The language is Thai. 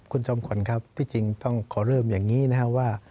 คุณจอมขวัญครับที่จริงต้องขอเริ่มอย่างนี้นะครับว่า